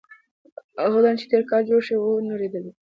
هغه ودانۍ چې تېر کال جوړه شوې وه نړېدلې ده.